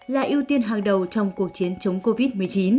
là ưu tiên hàng đầu trong cuộc chiến chống covid một mươi chín